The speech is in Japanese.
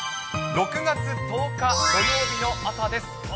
６月１０日土曜日の朝です。